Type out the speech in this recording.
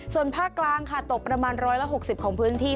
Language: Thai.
ส่วนภาคกลางค่ะตกประมาณร้อยละหกสิบของพื้นที่